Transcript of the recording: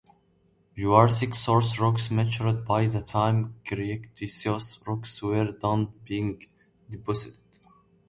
Jurassic source rocks matured by the time Cretaceous rocks were done being deposited.